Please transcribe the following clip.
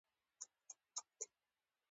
نثر ته په انګريزي ژبه کي Prose وايي.